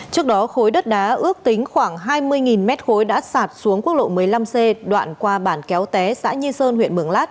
trước đó khối đất đá ước tính khoảng hai mươi mét khối đã sạt xuống quốc lộ một mươi năm c đoạn qua bản kéo té xã nhi sơn huyện mường lát